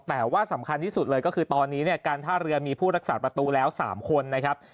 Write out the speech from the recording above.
แต่ว่าสำคัญที่สุดเลยก็คือตอนนี้เนี่ยการท่าเรือมีผู้รักษาประตูแล้ว๓คนนะครับ